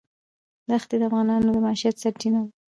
ښتې د افغانانو د معیشت سرچینه ده.